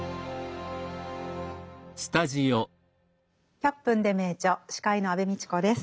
「１００分ｄｅ名著」司会の安部みちこです。